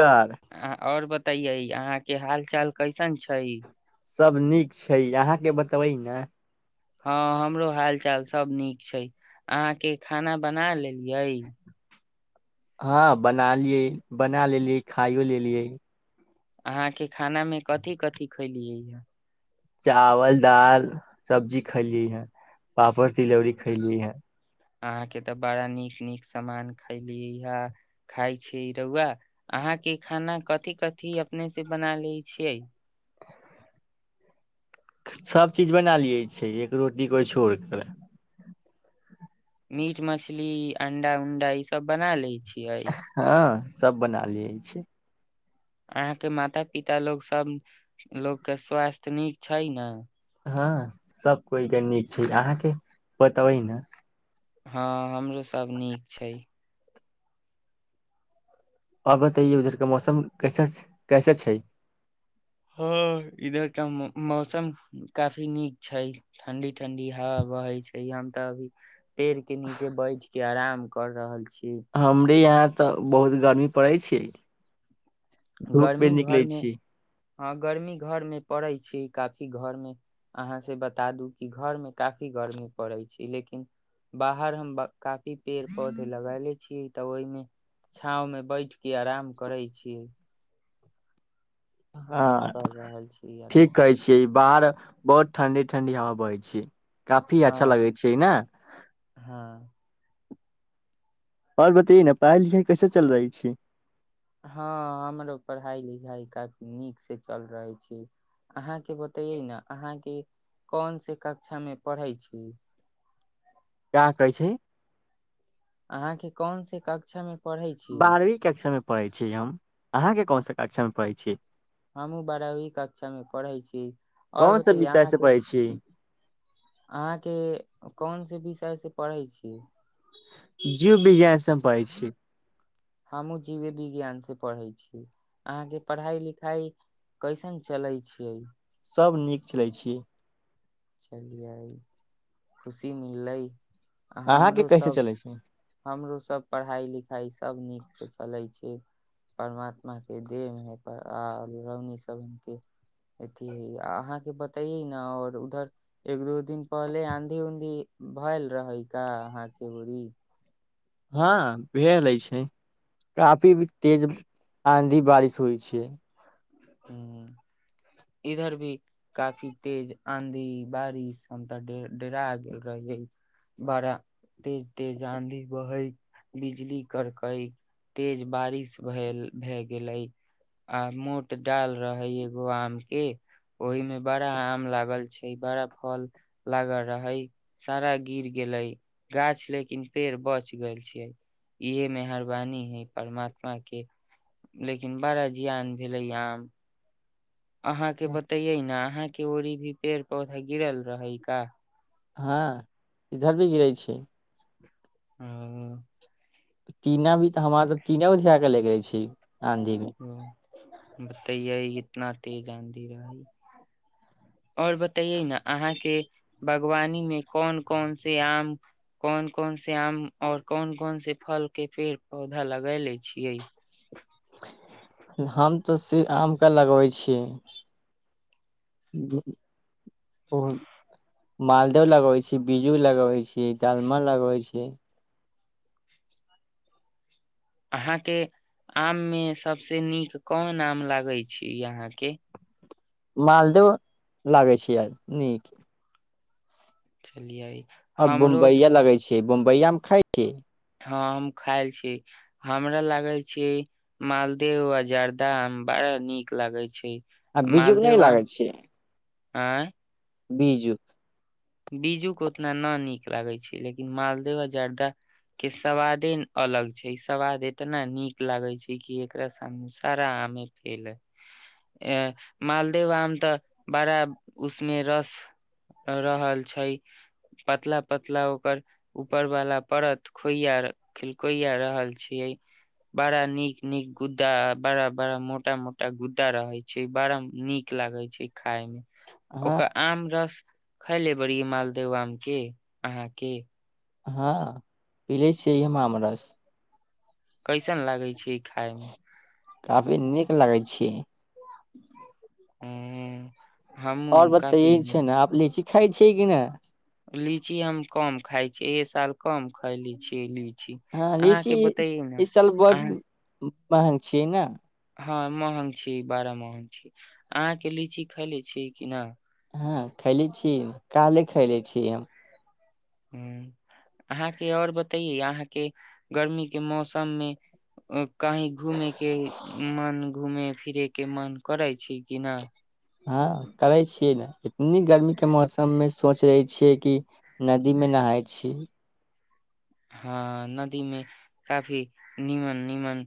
sir अ आओर बताइयै अहाँ के हाल चाल कैसन छै सब नीक छै अहाँके बतेबै न हँ हमरो हाल चाल सभ नीक छै अहाँके खाना बना लेलियै हँ बनलियै बना लेलियै खाइयो लेलियै अहाँके खानामे कथि कथी खलियै चावल दाल सब्जी खैली ह पापड़ तिलौरी खैली ह अहाँके तऽ बड़ा नीक नीक सामान खलियै हे खााय छी रौआ अहाँके खाना कथि कथि अपने सँ बना लै छियै सभ चीज बना लिये छिये एक रोटी को छोड़ कर मीट मछली अंडा उंडा ई सब बना ले छियै हँ सब बना लिये छी अहाँके माता पिता लोग सब लोग कऽ स्वास्थ नीक छै न हँ सब कोइ के नीक छै अहाँके बताबै न हँ हमरो सब नीक छै आओर बतइयो उधरके मौसम कैसा छै कैसा छै हँ इधर तऽ मौसम काफी नीक छै ठण्डी ठंडी हवा बहै छै हम तऽ अभी पेड़ के नीचे बैठ गेल के आराम कर रहल छी हमरे यहाँ तऽ बहुत गर्मी पड़ै छिये गर्मी घरमे हँ गर्मी घरमे पड़ै छी काफी घर मे अहाँ से बता दू की घर मे काफी गर्मी पड़ै लेकिन बाहर हम काफी पेड़ पौधे लगेले छीियै तऽ ओहिमे छाव में बैठ के आराम करे छियै हँ कर रहल छी ठीक आराम कहै छियै बाहर बहुत ठंडी ठंडी हवा बहै छै काफी हँ अच्छा लगै छै ने हँ आओर बतैयए ने पढ़ाइ लिखाइ कैसे चल रहै छी हँ हमरो पढ़ाइ लिखाइ काफी नीक से चल रहले छी अहाँके बतैयै ने अहाँके कोन से कक्षामे पढ़ै छी क्या कहै छै अहाँके कोनसे कक्षा मे पढ़ै छी बारहवीं कक्षमे पढ़ै छीिय हम अहाँके कोनस कक्षा मे पढ़ै छियै हमहूँ बारहवी कक्षामे पढ़ै छी आओर कोन सा बतैयए विषय से अहाँके पढ़ै छी अहाँके कोन से विषयसे पढ़ै छी जीव विज्ञान सँ पैढ़ छी हमहूँ जीव विज्ञान से पढ़ै छीियै अहाँके पढ़ाइ लिखाइ कैसन चलै छियै सभ नीक खेलै छी चलिय खुशी मिललय आ अहाँके हमरो कैसे सब चलै छै हमरो सब पढ़ाई लिख खइ [inaudible] सब नीकसँ चलै छै परमात्मा के देव है आ लौनी सब के अथी है अहाँके बतैये न और उधर एक दू दिन पहले आँधी उऊधी भेलएल रहै का अहाँके बड़ी हँ भै छै काफी तेज आंधी बारिश होइ छै इधर भी काफी तेज आंधी बारिश हम त डरा गेल रही बड़ा तेज तेज आंधी बहैत बिजली करकई तेज बारिश भेल भए गेलै आ मो डाल रहे एगो आम के ओहि में बड़ा आम लागल छै बड़ा फल लागल रहे सारा गिर गेले गाछ लेकिन पेड़ बच गेल छै इहे मेहरबानी है परमात्मा के लेकिन बड़ा जियान भेल ध्यान अहाँके बतैयै ने अहाँके ओरी भी पेड़ त गीरल रहइ का हँ इधर भी गिरै छी ओ टीना भी तऽ हमरा तऽ टीना उ धिया क लैके रहे छी आंधी मे ह बतैए इतना तेज आद रह ह आओर बतये ने अहाँके बागवानी मे कोन कोन से आम कोन कोन से आम आऔर कोन कोन से फल के पेड़ पौधा लग ले छियै हम आम के लगै छी मालदह लगै छी बिजू लगबै छी मलमल लगबै छी अहाँके आममे सभसँ नीक कोन आम लागै छी अहाँके मालद लागै छैियै नीक खेलिए आओर बम्बइया लगै छै बमबया आम खाइ छी ह हम खाायल छी हमरा लागे छी मालदेह आ जर्दा बड़ा नीक लागे छै आ बीजुक नहि लागै छै आँ बीजु बीजू के उतना न नीक लागे छै लेकिन मालदेव आ जार्दा के सवादे अलग छै सवाद इतना नीक लागै छै कि एकरा सामने सारा आमे फेलै अ मालदेव आम तऽ बड़ा उसमे रस रहल छै पतला पतला ओकर ऊपर वाला परत खोइय खोइया रहल छियै बड़ा नीक नीक गुद्दा बड़ा बड़ा मोटा मोट एकटा गुद्दा रहै छै छै बड़ा नीक लागै छै खााय मे हँ ओकर आम रस खाई लेब बड़ मालदह आम के अहाँ के हँ पिले छियै हमरस कैसन लागै छै ई खायमे क [inaudible] ह आर बताताय छै ने आ लीच खाइ छियै कि नहि लीची हम कम खाय छीे ए साल कम खायले छीये लीची हँ लीची अहाँके बतैयै ने किशन भग अहाँ मंहग छियै ने हँ महग छी बड़ा महग छी अहाँ के लीची खैले छी कि न हँ खैले छीय काले खैले छीय हम ह अहाँके आओर बतैए अहाँके गर्मी के मौसममे कही घूमे के मन घूमे फिरेके मन करै छी कि नहि हँ करै छियै ने इतनी गर्मी के मौसम मे सोच रहे छियै कि नदी मे नहााय छीिय हँ नदी मे काफी नीमन नीमन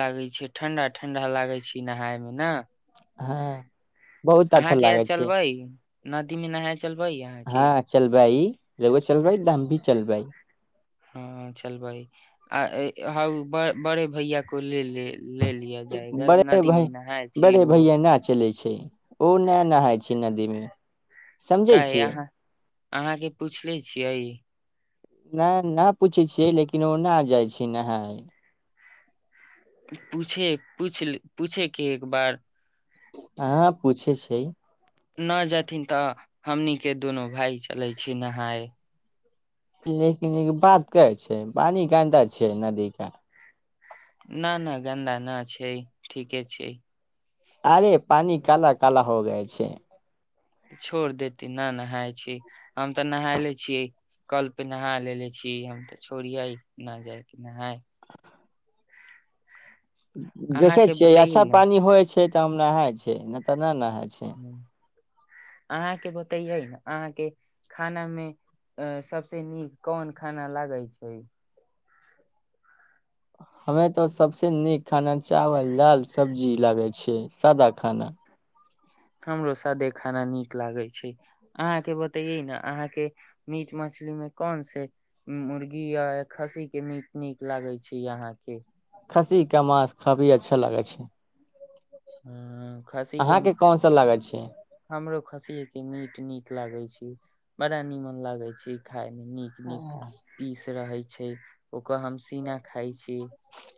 लागै छै ठंडा ठंडा लागै छै नहाायमे ने हँ बहुत अच्छा अहाँके आ लागे छै चलबै नदीमे नहाय चलबै अहाँके रगो चलबै दाम भी चलबै हँ चल भइ आ हा बड़े भैया को ले लेल ले लिया जायगा बड़े नदीमे भाय नहाय छै बड़े ओ भैया न चलै ओ न नहााय छै नदी मे क समझै छियै अहाँ अहाँके पूछले छियै नहि नहि पूछै छियै लेकिन ओ नहि जाइ छै नहाय पूछे पूछ पूछे कि एक बार हँ पूछ छै न जेथिन तऽ हमनीके दुनू भाय चलै छी नहाय लेकिनिन बात करै छै पानि कन्दा छै नदीे न नहि गान द नहि छै ठीके छै अरे पान काल काल हो गाय छै छोड़ देतीे न नहााय छी हम तऽ नहााय ले छियै कल पे नहा लेे छी हम तऽ छोड़िये न जाय नहाय देखे अहाँके छियै बतैयै अच्छा न पानी होइ छै छै त नहााय छै न तऽ न नहााय ह्म अहाँके बतैयै ने अहाँके खाना मे अ सभस नीक कोन खाना लागै छै हमे तऽ सबसे नीक खाना चावल दाल सब्जी लागै छै सादा खाना हमरो सादे खाना नीक लागे छै अहाँ के बतेये ने अहा के मीट मछली मे कोन से मुर्गी या खस्सी के मीट नीक लागै छै यहाँ के खसी क मास काफी अच्छा लागे छै ह खसी कम अहाँके कोन सा लागै छै हमरो खसी मीट नट लागै छी बड़ा निमन लागे छी खाय नीक नीक पीस रहै छै ओकर हम पसीना खााय छी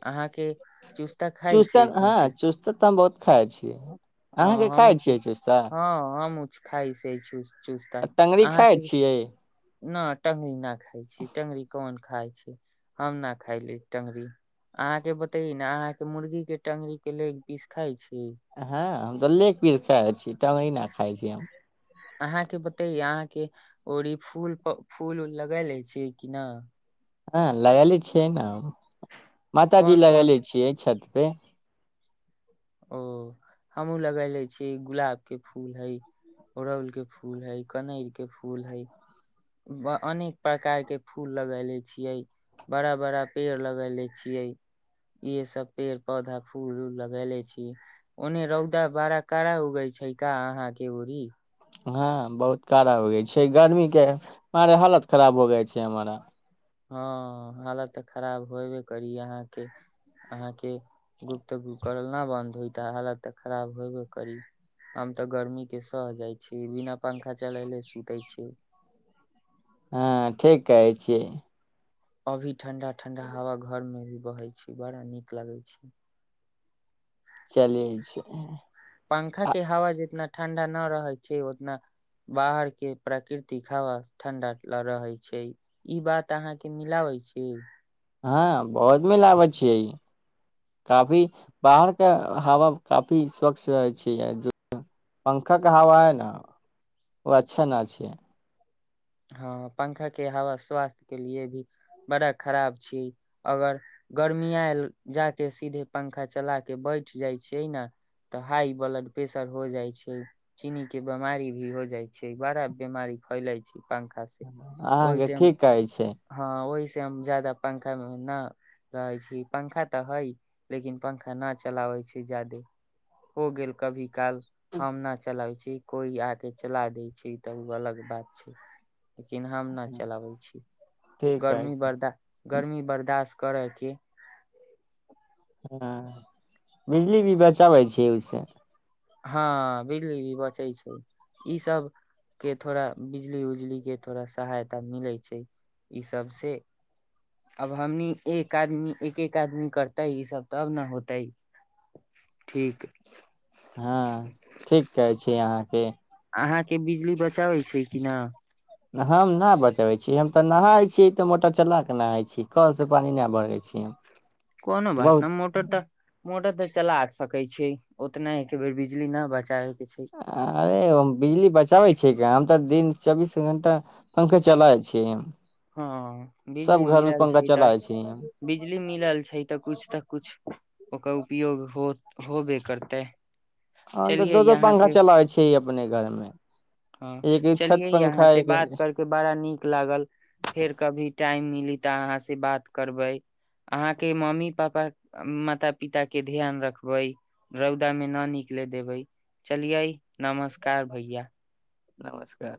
अहाँ के चुस्ता खाइ चूसा छै हँ खसी चूसा तऽ हम बहुत खाइ छियै हँ अहाँके खाइ हमू च छियै चूसा हँ हम खाइ से चुस्ता आ टंगरी खाइ अहाँके छियै नहि टगरी नहि खाइ छी ट्गरी कोन खाइ छी हम न खायले टंगरी अहाँ के बतेय न अहाँ के मुर्गी के टंगरी के ले एक पीस खाई छी हँ त्लेके पीस खाइ छी टंगैना खाइ छी हम अहाँके बतैए अहाँके र ई फूल फूल उल लग ले छियै कि न हँ लगली छै ने माताजी कोन कोन लगेले छियै छथि से ओ हमहूँ लगले छीियै गुलाब के फूल हे अड़ौल के फूल हे कनर के फूल हे अनेक प्रकार के फूल लगैले छियै बड़ा बड़ा पेड़ लगैले छियै इहे सब पेड़ पौधा फूल उल लगले छीिय ओन्ने रौदा बड़ा कड़ा उगै छै का अहाँ के ओड़ी हँ बहुत कड़ा हो गई छै गरमी के मर हालत खराब हो गा छै हमरा हँ हालत तऽ खराब होबे करी अहाँके अहाँके गुप्त गुप करल नहि बन्द होइ तऽ हालत तऽ खराब होेबे करी आ तऽ गर्मी के सह जाइ छी बिना पंखा चलेले सुते छै हँ ठीक कहै छियै अभी ठंडा ठंडा हवा घर मे भी बहै छी बड़ा नीक लगै छी चलिय छै पंखा के हवा जितना ठंडा न रहे छै उतना बाहर के प्रकृतिक हवा ठंडा रहे छै ई बात अहाँ के मिलाबे छी हँ बहुत मिलाबै छियै काफी बाहर के हवा काफी स्वच्छ रहै छै पंखा के हवा है ने ओ अच्छा न छै हँ पंखा के हवा स्वास्थ्य के लिए भी बड़ा खराब छी अगर गर्मिया जा केे सीधे पंखा चला के बैठ जाइ छियै ने तऽ हाई ब्लड प्रेशर हो जाइ छै चीनी के बीमारी भी हो जाइ छै बड़ा बीमारी फैलैत छै पंखा ओहि अहाँके से ठीक कहै छै हँ ओहि हम जदाा पंखा मे न रहै छी पंखा तऽ हइ लेकिन पंखा न चलाबै छै ज्यादे हो गेल कभी क हम न चलाब छै कोई आके चला दे छै तब ओ अलग बात [unintelligible] लेकिन हम न चलाबै छी ठीक गर्मी अछि बर्दा गर्मी बर्दास्त करैके हँ बिजली भी बचाबै छी ओहिसँ हँ बिजली भी बचै छै ईसभके थोड़ा बिजली उजली के थोड़ा सहायता मिलै छै ईसभसँ आब हमनी एक आदमी एक एक आदमी करतै ईसभ तब ने होतै ठीक हँ ठीक कहै छी अहाँके अहाँके बिजली बचाबै छै कि न हम नहि बचबै छी हम तऽ नहााय छीियै तऽ मोटर चला कऽ नहााय छी कलसँ पानि नहि भरै छी हम कोनो बात बहुत नहि मोटर तऽ मोटर तऽ चला आ सकै कहै छै उतना एक बेर बिजली न बचा अरे ओ बिजली बचाबै छिय क हम तऽ दिन चौबीस घंटा पंखे चलाय छि हँ बिजली मिलल छै तऽ चलाबै छियै हम बिजली मिलल छै तऽ किछु तऽ किछु ओकर उपयोग होयत होब करतै हम तऽ चलिए दो दो यहाँ पंखा से चलाबै छियै अपने घरमे हँ चलिये यहाँ से एक बात करके बड़ा नीक लागल फेर कभी टाइम मिली प ता अहाँ से बात करबे अहाँ के मम्मी पापा माता पिता के ध्यान रखबे रौदा मे ना निकले देबे चलिये नमस्कार भैया नमस्कार